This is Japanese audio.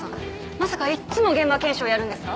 まさかいっつも現場検証やるんですか？